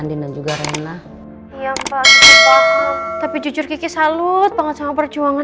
ini ada suratnya sayang